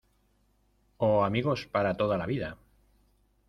o amigos para toda la vida.